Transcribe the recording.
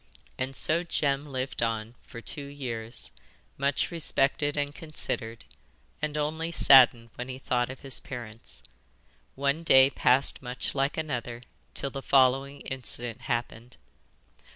And so Jem lived on for two years, much respected and considered, and only saddened when he thought of his parents. One day passed much like another till the following incident happened.